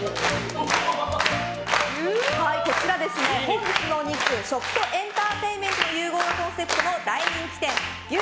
本日のお肉は食とエンターテインメントの融合がコンセプトの大人気店牛